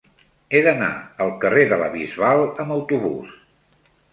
He d'anar al carrer de la Bisbal amb autobús.